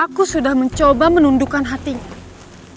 aku sudah mencoba menundukan hatinya